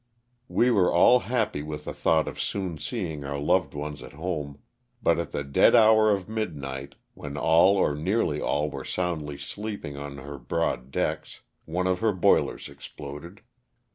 We were all 368 LOSS OF THE SULTANA. happy with the thought of soon seeing our loved ones at home ; but at the dead hour of midnight, when all or nearly all were soundly sleeping on her broad decks, one of her boilers exploded.